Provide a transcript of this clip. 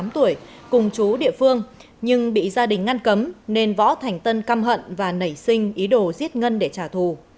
tám tuổi cùng chú địa phương nhưng bị gia đình ngăn cấm nên võ thành tân hận và nảy sinh ý đồ giết ngân để trả thù